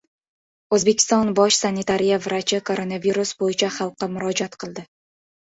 O‘zbekiston Bosh sanitariya vrachi koronavirus bo‘yicha xalqqa murojaat qildi